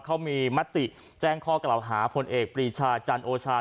เขามีมติแจ้งข้อกล่าวหาพลเอกปรีชาจันโอชา